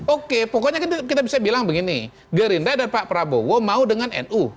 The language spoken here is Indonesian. oke pokoknya kita bisa bilang begini gerindra dan pak prabowo mau dengan nu